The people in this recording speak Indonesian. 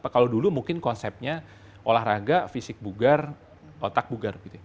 kalau dulu mungkin konsepnya olahraga fisik bugar otak bugar